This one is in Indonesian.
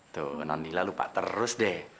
tuh non nila lupa terus deh